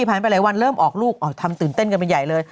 ผ่านไปหลายวันเริ่มออกลูกทำตื่นเต้นกันเป็นใหญ่เลย